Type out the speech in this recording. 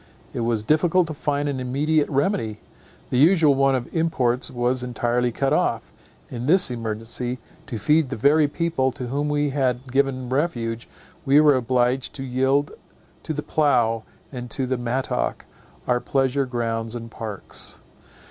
It was difficult to find an immediate remedy. The usual one of imports was entirely cut off. In this emergency, to feed the very people to whom we had given refuge, we were obliged to yield to the plough and the mattock our pleasure grounds and parks.